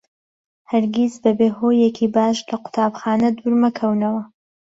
هەرگیز بەبێ هۆیەکی باش لە قوتابخانە دوور مەکەونەوە.